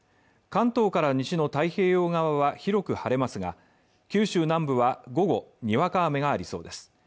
関東から西の太平洋側は広く晴れますが、九州南部は午後にわか雨がありそうです。